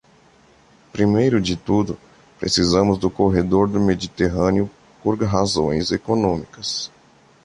Primeiro de tudo, precisamos do corredor do Mediterrâneo por razões econômicas.